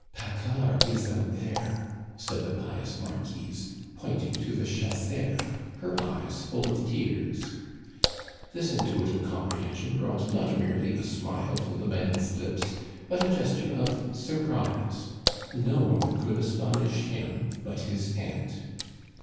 "Paccard is out there," said the pious Marquise, pointing to the chasseur, her eyes full of tears. This intuitive comprehension brought not merely a smile to the man's lips, but a gesture of surprise; no one could astonish him but his aunt.